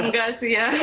enggak sih ya